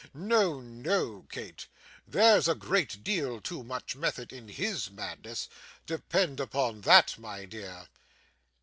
No, no, Kate, there's a great deal too much method in HIS madness; depend upon that, my dear.